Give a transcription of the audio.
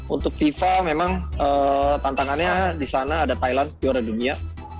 untuk fifa memang tantangannya di sana ada thailand juara dunia